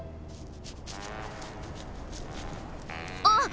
あっ！